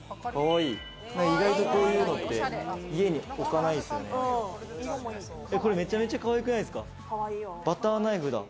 意外とこういうのって家に置かないですよね。